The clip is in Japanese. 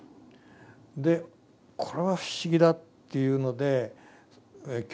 でこれは不思議だっていうので興味を持った。